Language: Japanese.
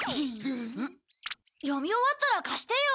読み終わったら貸してよ。